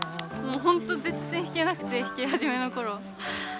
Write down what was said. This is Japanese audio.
もう本当全然弾けなくて弾き始めの頃。